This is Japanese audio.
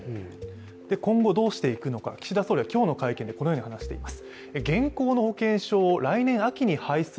今後どうしていくのか、岸田総理は今日の会見でこのように話しています。